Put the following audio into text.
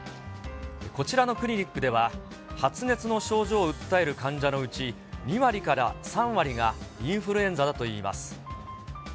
こちらのクリニックでは、発熱の症状を訴える患者のうち、２割から３割がインフルエンザだといいます。